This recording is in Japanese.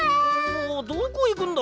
おどこいくんだ！？